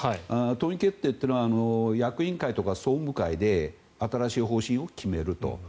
党議決定というのは役員会とか総務会で新しい方針を決めると。